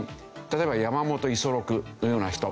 例えば山本五十六のような人。